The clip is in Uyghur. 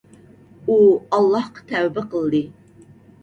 ئۇ ئاللاھقا تەۋبە قىلدى.